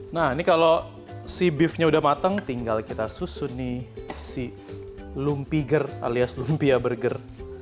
nah ini kalau si beefnya udah matang tinggal kita susun nih si lumpiger alias lumpia burger